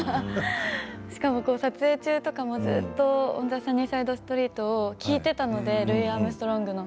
しかも撮影中とかも、ずっと「オン・ザ・サニー・サイド・オブ・ザ・ストリート」を聴いていたのでルイ・アームストロングの。